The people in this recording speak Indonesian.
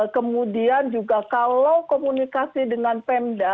kemudian juga kalau komunikasi dengan pemda